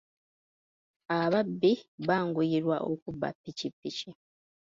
Ababbi banguyirwa okubba ppikipiki.